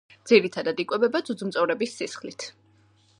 ძირითადად იკვებება ძუძუმწოვრების სისხლით.